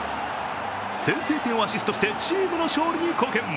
先制点をアシストしてチームの勝利に貢献。